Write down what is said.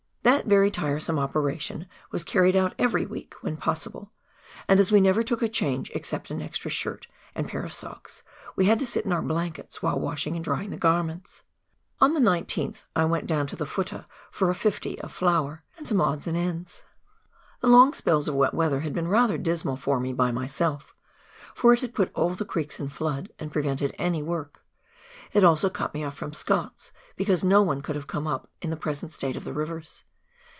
That very tiresome operation was carried out every week when possible, and as we never took a change, except an extra shirt and pair of socks, we had to sit in our blankets while washing and drying the garments. On the 19th, I went down to the futtah for a "fifty " of flour, and some odds and ends. The long spells of wet weather had been rather dismal for me by myself, for it had put all the creeks in flood and prevented any work. It also cut me ofi" from Scott's, because no one could have come up in the present state of the rivers.